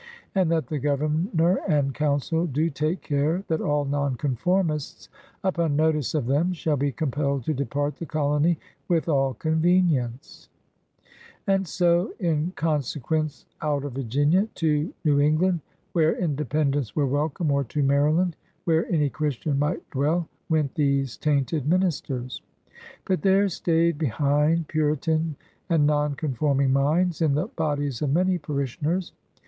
And that the Gov. and Counsel do take care that all nonconformists upon notice of them shall be compelled to depart the collony with all oonveniende. 186 PIONEERS OF THE OLD SOXJTH And so in consequence out of Virginia, to New England where Independents were welcome, or to Maryland where any Christian might dwell, went these tainted ministers. But there stayed behind Puritan and nonconforming minds in the bodies of many parishioners.